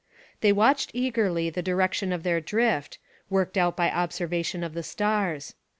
They watched eagerly the direction of their drift, worked out by observation of the stars.